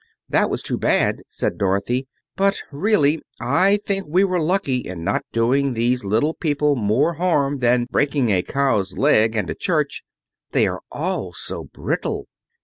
"That was too bad," said Dorothy, "but really I think we were lucky in not doing these little people more harm than breaking a cow's leg and a church. They are all so brittle!"